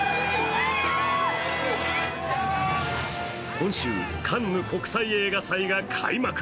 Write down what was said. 今週、カンヌ国際映画祭が開幕。